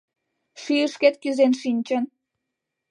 Шӱйышкет кӱзен шинчын!..